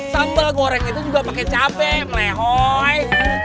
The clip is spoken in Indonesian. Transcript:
sambal goreng itu juga pakai cabai melehoy